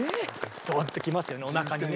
どんときますよねおなかにね。